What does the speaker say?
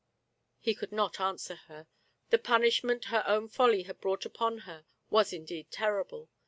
He could not answer her. The punishment her own folly had brought upon her was fndeed terrible.